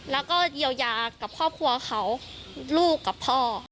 แล้วก็เยียวยากับครอบครัวเขาลูกกับพ่อ